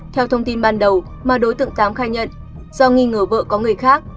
theo thông tin ban đầu mà đối tượng tám khai nhận do nghi ngờ vợ có người khác